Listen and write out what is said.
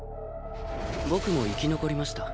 僕も生き残りました。